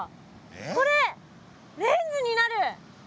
これレンズになる！